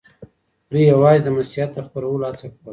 دوی یوازې د مسیحیت د خپرولو هڅه کوله.